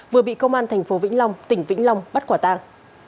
vừa bị công an thành phố vĩnh long tỉnh vĩnh long bắt quả tang